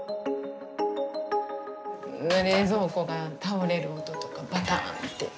冷蔵庫が倒れる音とかバターンって。